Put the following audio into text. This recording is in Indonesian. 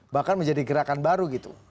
bahkan menjadi gerakan baru gitu